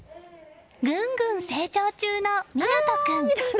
ぐんぐん成長中の湊士君。